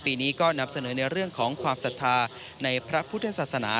ปีนี้ก็นำเสนอในเรื่องของความศรัทธาในพระพุทธศาสนา